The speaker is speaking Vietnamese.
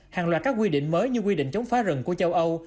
hàng loạt các quy định mới như quy định chống phá rừng của châu âu